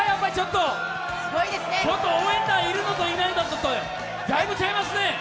これは応援団いるのと、いないのと、だいぶちゃいますね。